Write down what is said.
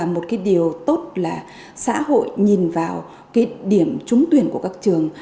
một điều tốt là xã hội nhìn vào điểm trúng tuyển của các trường